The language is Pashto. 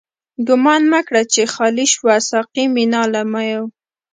ګومان مه کړه چی خالی شوه، ساقی مينا له ميو